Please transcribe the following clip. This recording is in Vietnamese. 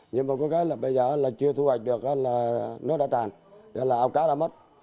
nhưng mà có cái là bây giờ là chưa xu hoạch được là nó đã chạy cho nên là ao cá đã mất